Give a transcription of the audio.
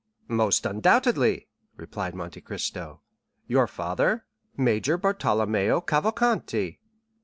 "Most undoubtedly," replied Monte Cristo; "your father, Major Bartolomeo Cavalcanti."